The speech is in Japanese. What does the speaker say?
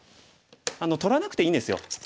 取らなくていいんですよ。